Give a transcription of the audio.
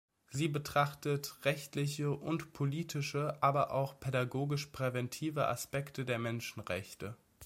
Sie betrachtet rechtliche und politische, aber auch pädagogisch- präventive Aspekte der Menschenrechte.